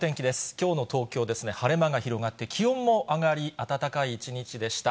きょうの東京ですね、晴れ間が広がって気温も上がり、暖かい一日でした。